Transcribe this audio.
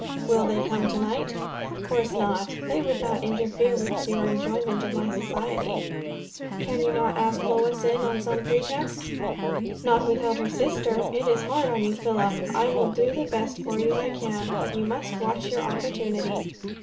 "Will they come to night?" "Of course not! They would not interfere with your enjoyment of my society." "Cannot you ask Lois in, on some pretext?" "Not without her sister. It is hard on you, Philip! I will do the best for you I can; but you must watch your opportunity."